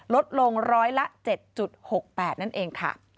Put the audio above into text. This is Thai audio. ลดลงร้อยละ๗๖๘นั่นเองค่ะ